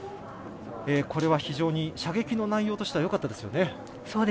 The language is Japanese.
これは非常に射撃の内容としてはよかったですね。